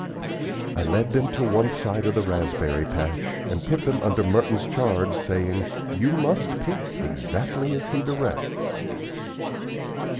I led them to one side of the raspberry patch and put them under Merton's charge saying, "You must pick exactly as he directs."